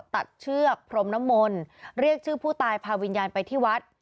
เชือกพรมน้ำมนต์เรียกชื่อผู้ตายพาวิญญาณไปที่วัด